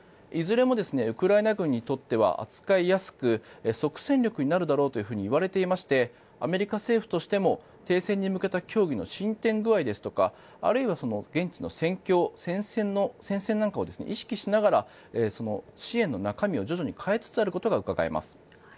いずれもウクライナ軍にとっては扱いやすく即戦力になるだろうといわれていましてアメリカ政府としても停戦に向けた協議の進展具合ですとかあるいは現地の戦況、戦線なんかを意識しながら支援の中身を徐々に変えつつあることがうかがえます。